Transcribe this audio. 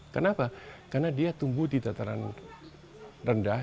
kenapa karena dia tumbuh di tataran rendah